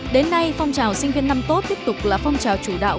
đến nay phong trào sinh viên năm tốt tiếp tục là phong trào chủ đạo